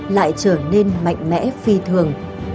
lại trở nên mạnh mẽ phi thường